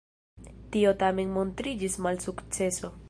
Tio tamen montriĝis malsukceso.